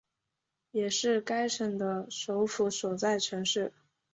也是该省的首府所在城市。